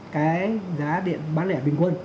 cái giá điện bán lẻ bình quân